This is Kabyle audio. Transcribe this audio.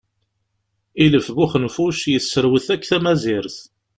Ilef bu uxenfuc yesserwet akk tamazirt.